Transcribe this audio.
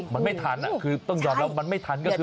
มันไม่ทันคือต้องยอมรับมันไม่ทันก็คือ